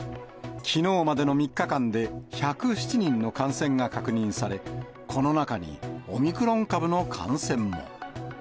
きのうまでの３日間で、１０７人の感染が確認され、この中にオミクロン株の感染も。